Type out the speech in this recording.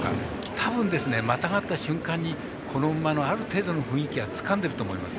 多分、またがった瞬間にこの馬のある程度の雰囲気はつかんでると思います。